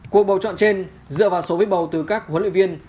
cuộc bầu chọn trên dựa vào số viết bầu từ các huấn luyện viên